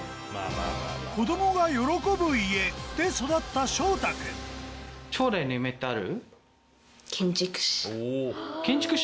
「子どもが喜ぶ家」で育った翔太くん建築士？